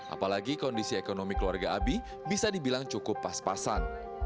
apalagi kondisi ekonomi keluarga abi bisa dibilang cukup pas pasan